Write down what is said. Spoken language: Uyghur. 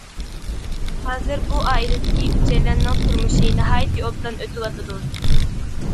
ھازىر بۇ ئائىلىدىكى ئۈچەيلەننىڭ تۇرمۇشى ناھايىتى ئوبدان ئۆتۈۋاتىدۇ.